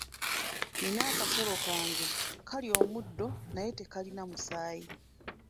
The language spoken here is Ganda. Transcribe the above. Nina akasolo kange kalya omuddo naye tekalina musaayi.